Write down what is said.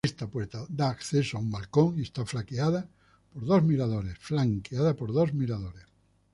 Esta puerta da acceso a un balcón y está flanqueada por dos miradores.